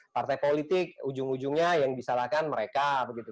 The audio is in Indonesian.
partai politik ujung ujungnya yang disalahkan mereka begitu